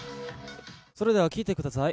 それでは聴いてください。